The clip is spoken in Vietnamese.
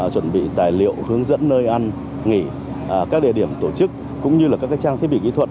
chuẩn bị tài liệu hướng dẫn nơi ăn nghỉ các địa điểm tổ chức cũng như các trang thiết bị kỹ thuật